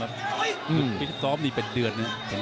ฟิกซอมนี่เป็นเดือดนะครับ